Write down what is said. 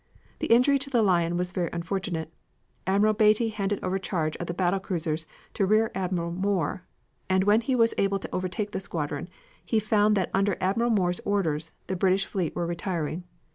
The injury to the Lion was very unfortunate. Admiral Beatty handed over charge of the battle cruisers to Rear Admiral Moore, and when he was able to overtake the squadron he found that under Admiral Moore's orders the British fleet were retiring.